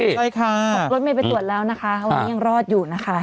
ใช่ค่ะตกรถเมย์ไปตรวจแล้วนะคะวันนี้ยังรอดอยู่นะคะ